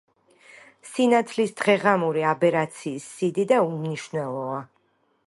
სინათლის დღეღამური აბერაციის სიდიდე უმნიშვნელოა.